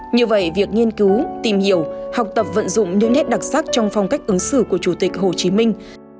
như vậy việc nghiên cứu tìm hiểu học tập vận dụng những nét đặc sắc trong phong cách ứng xử của chủ tịch hồ chí minh